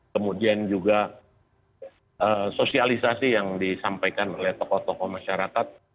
kemudian juga sosialisasi yang disampaikan oleh tokoh tokoh masyarakat